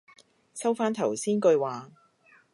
收返頭先句話